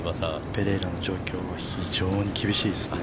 ◆ペレイラの状況は非常に厳しいですね。